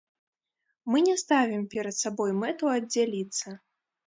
Мы не ставім перад сабой мэту аддзяліцца.